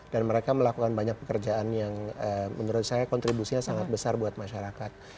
dan mereka melakukan banyak pekerjaan yang menurut saya kontribusinya sangat besar buat masyarakat